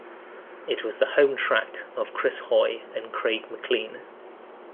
It was the home track of Chris Hoy and Craig MacLean.